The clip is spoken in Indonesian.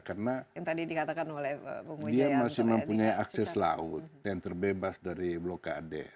karena dia masih mempunyai akses laut yang terbebas dari blokade